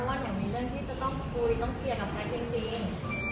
หนึ่งมีเรื่องที่จะต้องคุยต้องเคลียร์กับแพทย์จริง